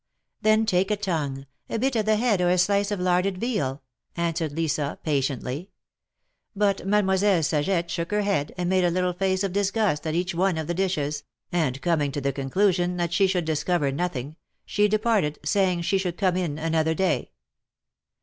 ^^Then take a tongue — a bit of the head or a slice of larded veal," answered Lisa, patiently. But Mademoi selle Saget shook her head, and made a little face of disgust at each one of the dishes, and coming to the conclusion 6 94 THE MARKETS OF PARIS. that she should discover nothing, she departed, saying she should come in another day.